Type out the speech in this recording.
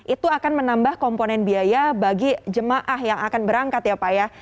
itu akan menambah komponen biaya bagi jemaah yang akan berangkat ya pak ya